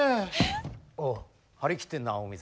おう張り切ってんな大水。